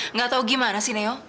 nggak tahu gimana sih neo